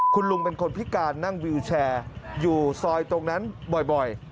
คุณลุงเป็นคนพิการนั่งวิวแชร์อยู่ซอยตรงนั้นบ่อย